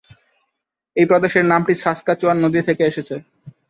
এই প্রদেশের নামটি সাসক্যাচুয়ান নদী থেকে এসেছে।